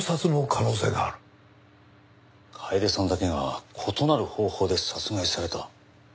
楓さんだけが異なる方法で殺害された。